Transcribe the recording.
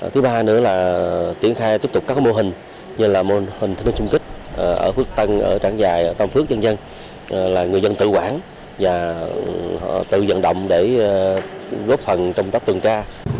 thứ ba nữa là tiến khai tiếp tục các mô hình như là mô hình thông tin chung kích ở phước tân trảng giài tâm phước dân dân là người dân tự quản và tự dẫn động để góp phần trong tác tuần tra